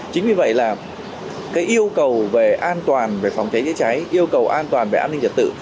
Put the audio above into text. chính vì vậy là yêu cầu về an toàn về phòng cháy chữa cháy yêu cầu an toàn về an ninh trật tự